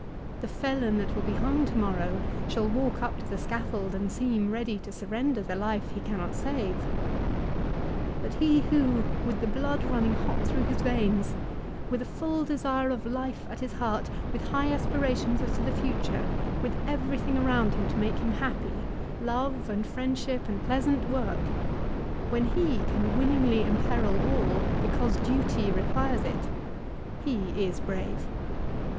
The felon that will be hung to morrow shall walk up to the scaffold and seem ready to surrender the life he cannot save. But he who, with the blood running hot through his veins, with a full desire of life at his heart, with high aspirations as to the future, with everything around him to make him happy, love and friendship and pleasant work, rwhen he can willingly imperil all because duty re quires it, he is brave.